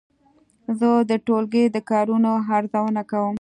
زه د ټولګي د کارونو ارزونه کوم.